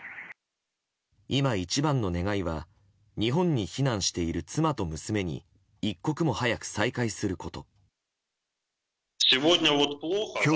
今一番の願いは日本に避難している妻と娘に一刻も早く再会すること。